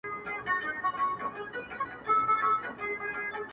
غشي چې کاږۀ وي هـــــــــدف نه لګي